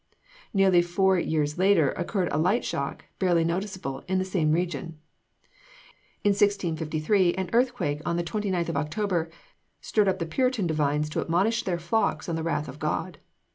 Nearly four years later occurred a light shock, barely noticeable, in the same region. In 1653 an earthquake on the 29th of October stirred up the Puritan divines to admonish their flocks of the wrath of God.